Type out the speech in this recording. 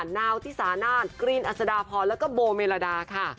นาวที่สานาศกรีนอัศดาพรแล้วก็โบเมลาดาค่ะ